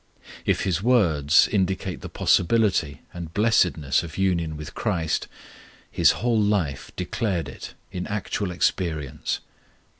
If his words indicate the possibility and blessedness of union with Christ, his whole life declared it in actual experience.